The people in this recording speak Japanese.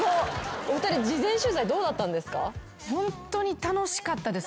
お二人事前取材どうだったんですか？